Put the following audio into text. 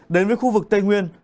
đến với khu vực tây nguyên